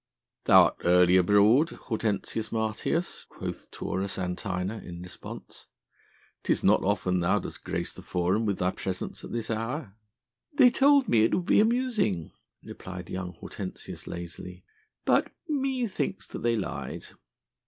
"Thou art early abroad, Hortensius Martius," quoth Taurus Antinor in response; "'tis not often thou dost grace the Forum with thy presence at this hour." "They told me it would be amusing," replied young Hortensius lazily, "but methinks that they lied."